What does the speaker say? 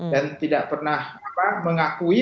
dan tidak pernah mengakui